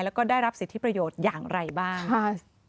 แล้วก็ได้รับสิทธิประโยชน์อย่างไรบ้างค่ะ